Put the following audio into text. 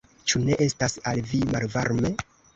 Ĉu ne estas al vi malvarme?